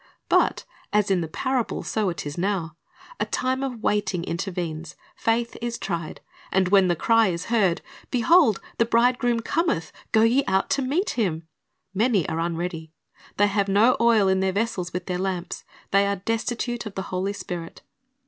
But as in the parable, so it is now. A time of waiting intervenes, faith is tried; and when the cry is heard, "Behold, the Bridegroom cometh; go ye out to meet Him," many are unready. They have no oil in their vessels with their lamps. They are destitute of the Holy Spirit.